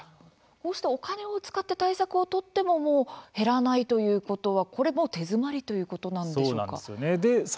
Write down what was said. こうしたお金を使って対策を取ってももう減らないということはこれ、もう手詰まりということなんでしょうか。